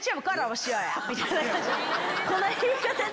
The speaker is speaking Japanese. この言い方で。